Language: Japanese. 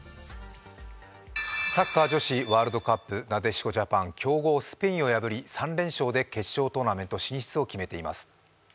サッカー女子ワールドカップ、なでしこジャパン強豪・スペインを破り３連勝で決勝トーナメント進出を決めています。